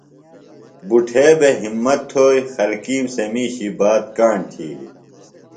بُٹھے بھےۡ ہمت تھوئی۔ خلکِیم سےۡ مِیشی بات کاݨ تِھیلیۡ۔